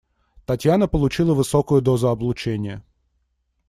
Татьяна получила высокую дозу облучения.